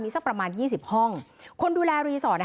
มีสักประมาณยี่สิบห้องคนดูแลรีสอร์ตเนี่ย